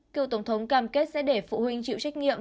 cựu tổng thống cam kết sẽ để phụ huynh chịu trách nhiệm